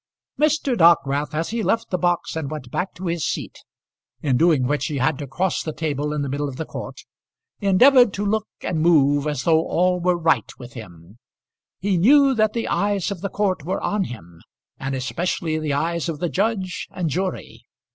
Mr. Dockwrath, as he left the box and went back to his seat in doing which he had to cross the table in the middle of the court endeavoured to look and move as though all were right with him. He knew that the eyes of the court were on him, and especially the eyes of the judge and jury.